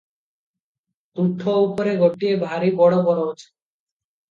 ତୁଠ ଉପରେ ଗୋଟିଏ ଭାରି ବଡ଼ ବରଗଛ ।